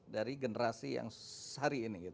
dari generasi yang sehari ini